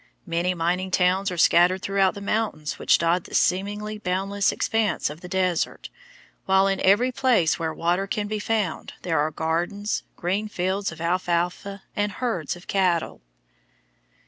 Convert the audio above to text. Many mining towns are scattered through the mountains which dot the seemingly boundless expanse of desert, while in every place where water can be found there are gardens, green fields of alfalfa, and herds of cattle.